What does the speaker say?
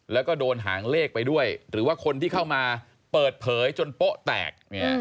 แล้วก็โดนหางเลขไปด้วยหรือว่าคนที่เข้ามาเปิดเผยจนโป๊ะแตก